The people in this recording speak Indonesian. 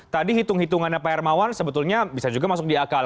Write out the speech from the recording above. tadi hitung hitungannya pak hermawan sebetulnya bisa juga masuk di akal